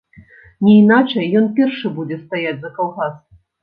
Не іначай, ён першы будзе стаяць за калгас.